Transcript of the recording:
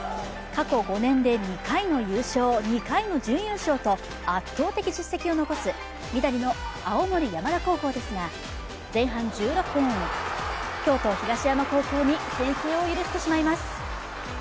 過去５年で２回の優勝、２回の準優勝と圧倒的実績を残す緑の青森山田高校ですが前半１６分、京都・東山高校に先制を許してしまいます。